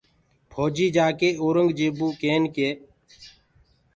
ڦوجيٚ جآڪي اورنٚگجيبو ڪين ڪي